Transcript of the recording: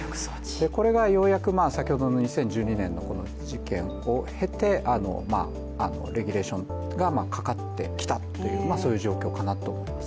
これがようやく、先ほどの２０１２年の事件を経て、レギュレーションがかかってきたという状況かなと思います。